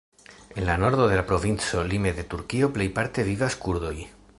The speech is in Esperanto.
En la nordo de la provinco lime de Turkio plejparte vivas kurdoj.